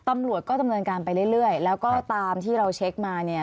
ตำรวจก็ดำเนินการไปเรื่อยแล้วก็ตามที่เราเช็คมาเนี่ย